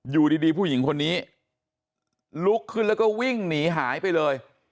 อยู่ดีผู้หญิงคนนี้ลุกขึ้นแล้วก็วิ่งหนีหายไปเลย